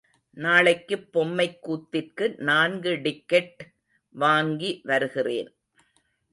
நாளைக்குப் பொம்மைக்கூத்திற்கு நான்கு டிக்கெட் வாங்கி, வருகிறேன்.